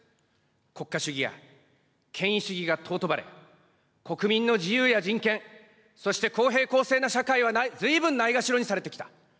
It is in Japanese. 国家主義や権威主義が尊ばれ、国民の自由や人権、そして公平公正な社会はずいぶんないがしろにされてきた。